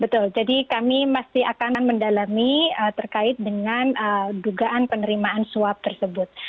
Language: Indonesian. betul jadi kami masih akan mendalami terkait dengan dugaan penerimaan suap tersebut